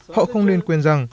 họ không nên quên rằng